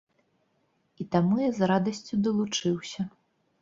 І таму я з радасцю далучыўся.